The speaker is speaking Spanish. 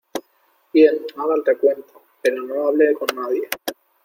bien, haga el recuento , pero no hable con nadie.